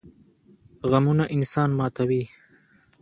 غمونه انسان ماتوي